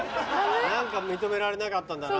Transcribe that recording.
何か認められなかったんだな。